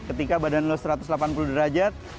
ketika badan lo satu ratus delapan puluh derajat